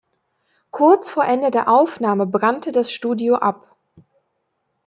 Kurz vor Ende der Aufnahmen brannte das Studio ab.